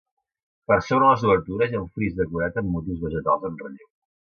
Per sobre les obertures hi ha un fris decorat amb motius vegetals en relleu.